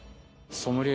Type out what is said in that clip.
ソムリエ。